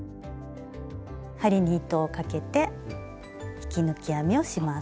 針に糸をかけて引き抜き編みをします。